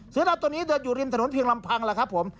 เสือดำตัวนี้เดินอยู่ริมถนนเพียงลำพังแล้วครับผม